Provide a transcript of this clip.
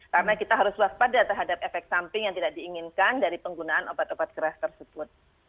karena kita harus waspada terhadap efek samping yang tidak diinginkan dari penggunaan obat obat keras tersebut